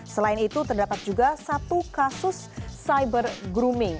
selain itu terdapat juga satu kasus cyber grooming